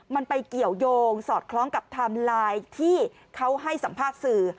มันไปเกี่ยวยงสอดคล้องกับไทม์ไลน์ที่เขาให้สัมภาษณ์สื่อ